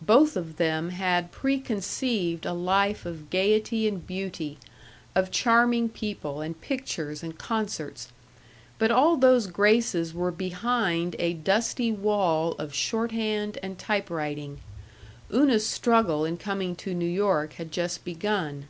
Both of them had preconceived a life of gaiety and beauty, of charming people and pictures and concerts. But all those graces were behind a dusty wall of shorthand and typewriting. Una's struggle in coming to New York had just begun.